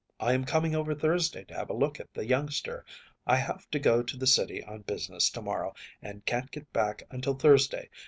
I am coming over Thursday to have a look at the youngster. I have to go to the city on business to morrow and can’t get back until Thursday.